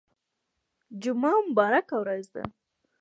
جمعه مبارکه ورځ ده